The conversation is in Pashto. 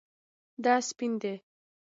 دا سپین دی